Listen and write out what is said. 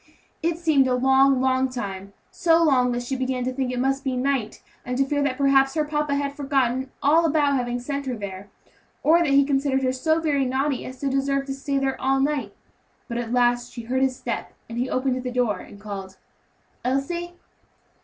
It seemed a long, long time; so long that she began to think it must be night, and to fear that perhaps her papa had forgotten all about having sent her there, or that he considered her so very naughty as to deserve to stay there all night. But at last she heard his step, and then he opened the door and called, "Elsie!"